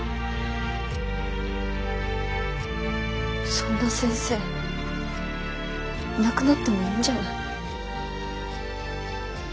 そんな先生いなくなってもいいんじゃない？